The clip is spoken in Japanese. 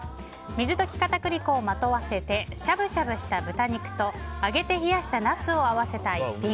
水溶き片栗粉をまとわせてしゃぶしゃぶした豚肉と揚げて冷やしたナスを合わせた逸品。